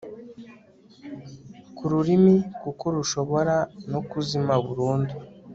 ku rurimi kuko rushobora no kuzimaburundu